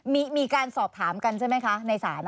มีการสอบถามกันใช่ไหมคะในศาล